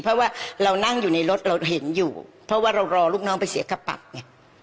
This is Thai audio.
เพราะว่าเรานั่งอยู่ในรถเราเห็นอยู่เพราะว่าเรารอลูกน้องไปเสียกระปับไง